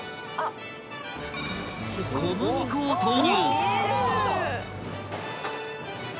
［小麦粉を投入］